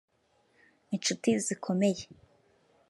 inshuti zikomeye